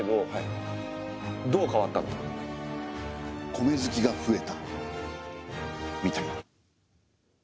米好きが増えたみたいな。